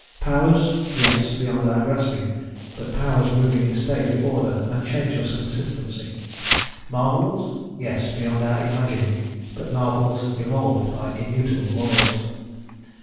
Powers? Yes, beyond our grasping, but Powers moving in stately order and changeless consistency. Marvels? Yes, beyond our imagining, but marvels evolved by immutable laws.